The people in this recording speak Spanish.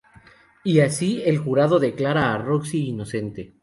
Y así el jurado declara a Roxie inocente.